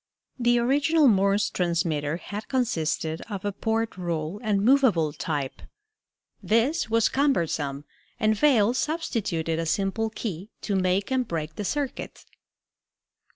The original Morse transmitter had consisted of a porte rule and movable type. This was cumbersome, and Vail substituted a simple key to make and break the circuit.